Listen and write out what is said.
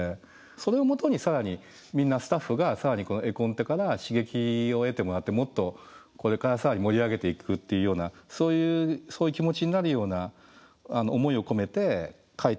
それをもとに更にみんなスタッフが更にこの絵コンテから刺激を得てもらってもっとこれから更に盛り上げていくっていうようなそういう気持ちになるような思いを込めて描いてますね。